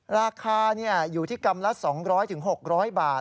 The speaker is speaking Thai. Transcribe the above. ราคาอยู่ที่กรัมละ๒๐๐๖๐๐บาท